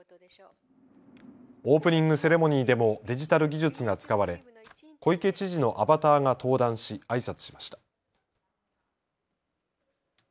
オープニングセレモニーでもデジタル技術が使われ小池知事のアバターが登壇しあいさつしました。